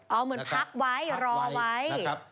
เอาเหมือนพักไว้รอไว้นะครับพักไว้นะครับ